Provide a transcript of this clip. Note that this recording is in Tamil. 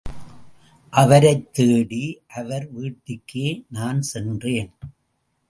அவரைத் தேடி அவர் வீட்டுக்கே நான் சென்றேன்.